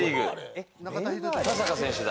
田坂選手だ。